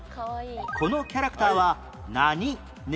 このキャラクターは何猫？